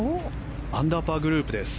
アンダーパーグループです。